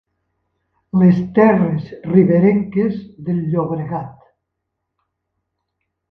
Les terres riberenques del Llobregat.